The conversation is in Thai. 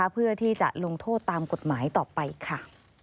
เพื่อที่จะลงโทษตามกฎหมายต่อไปค่ะ